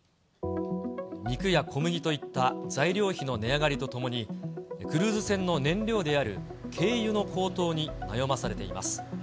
肉や小麦といった材料費の値上がりとともに、クルーズ船の燃料である軽油の高騰に悩まされています。